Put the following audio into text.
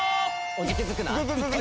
おじけづくな。